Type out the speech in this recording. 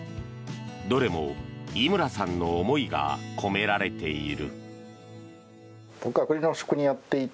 どれも井村さんの思いが込められている。